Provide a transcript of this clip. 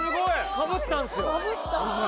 かぶったんですよ